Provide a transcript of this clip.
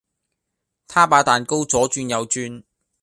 他把蛋糕左轉右轉